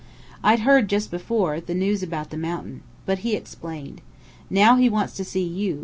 I'd heard just before, the news about the mountain. But he explained. Now he wants to see you.